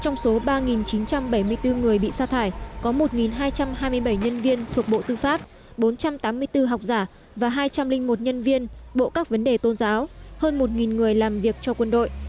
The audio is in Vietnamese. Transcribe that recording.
trong số ba chín trăm bảy mươi bốn người bị xa thải có một hai trăm hai mươi bảy nhân viên thuộc bộ tư pháp bốn trăm tám mươi bốn học giả và hai trăm linh một nhân viên bộ các vấn đề tôn giáo hơn một người làm việc cho quân đội